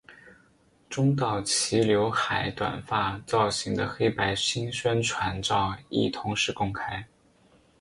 中岛齐浏海短发造型的黑白新宣传照亦同时公开。